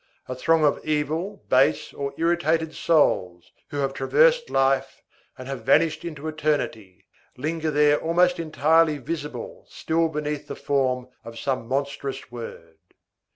A throng of evil, base, or irritated souls, who have traversed life and have vanished into eternity, linger there almost entirely visible still beneath the form of some monstrous word.